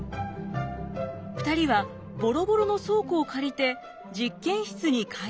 ２人はボロボロの倉庫を借りて実験室に改造。